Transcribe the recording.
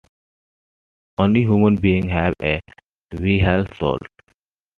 Only human beings have a "wayhel" soul.